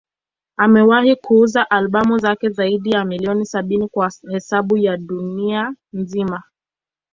Amewahi kuuza albamu zake zaidi ya milioni sabini kwa hesabu ya dunia nzima.